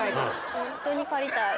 人に借りたい。